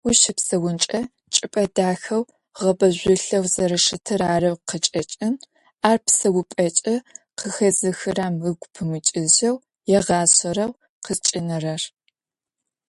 Ущыпсэункӏэ чӏыпӏэ дахэу, гъэбэжъулъэу зэрэщытыр арэу къычӏэкӏын, ар псэупӏэкӏэ къыхэзыхырэм ыгу пымыкӏыжьэу егъэшӏэрэу къызкӏинэрэр.